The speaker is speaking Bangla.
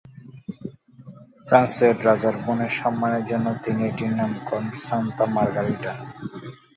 ফ্রান্সের রাজার বোনের সম্মানের জন্য তিনি এটির নামকরণ করেন "সান্তা মার্গারিটা"।